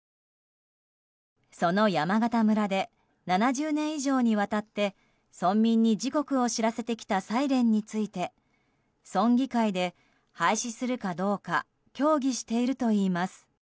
その山形村で７０年以上にわたって村民に時刻を知らせてきたサイレンについて村議会で、廃止するかどうか協議しているといいます。